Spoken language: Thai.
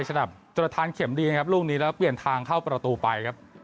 สำหรับจรทานเข็มดีนะครับลูกนี้แล้วเปลี่ยนทางเข้าประตูไปครับ